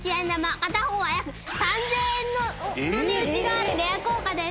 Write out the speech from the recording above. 片方は約３０００円の値打ちがあるレア硬貨です。